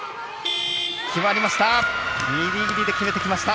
決まりました！